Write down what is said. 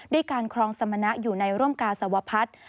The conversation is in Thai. ด้วยการครองสมณะอยู่ในร่มกาสวพัฒน์